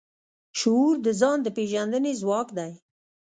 شعور د ځان د پېژندنې ځواک دی.